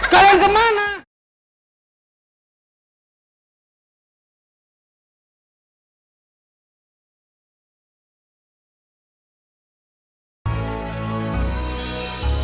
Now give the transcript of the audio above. ya ampun bahasa dah